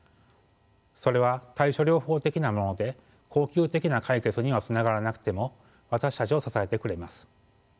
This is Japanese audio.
それは対処療法的なもので恒久的な解決にはつながらなくても私たちを支えてくれます。